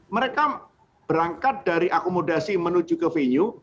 mereka berangkat dari akomodasi menuju ke venue